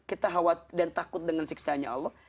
kita takut dengan siksa allah